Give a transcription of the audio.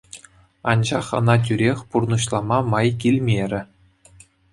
Анчах ӑна тӳрех пурнӑҫлама май килмерӗ.